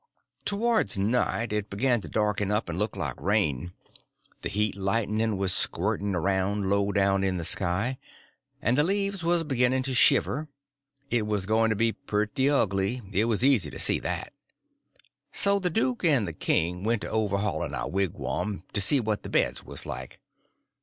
Towards night it begun to darken up and look like rain; the heat lightning was squirting around low down in the sky, and the leaves was beginning to shiver—it was going to be pretty ugly, it was easy to see that. So the duke and the king went to overhauling our wigwam, to see what the beds was like.